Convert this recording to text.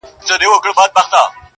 دوه زړونه په سترگو کي راگير سوله,